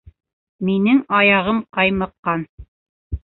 Минең аяғым ҡаймыҡҡан